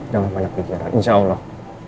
jangan banyak kegiatan insya allah